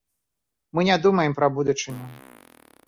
Мы не думаем пра будучыню.